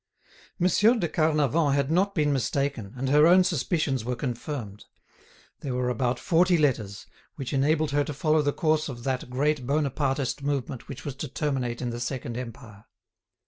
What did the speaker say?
Monsieur de Carnavant had not been mistaken, and her own suspicions were confirmed. There were about forty letters, which enabled her to follow the course of that great Bonapartist movement which was to terminate in the second Empire.